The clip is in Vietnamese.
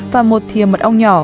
và một thịa mật ong nhỏ